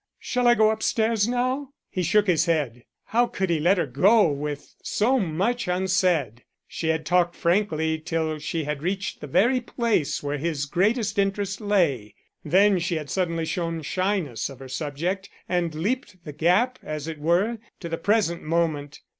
Shall I go up stairs now?" He shook his head. How could he let her go with so much unsaid? She had talked frankly till she had reached the very place where his greatest interest lay. Then she had suddenly shown shyness of her subject and leaped the gap, as it were, to the present moment.